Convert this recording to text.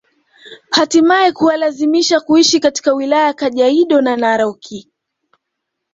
Htimae kuwalazimu kuishi katika wilaya ya Kajaido na Narok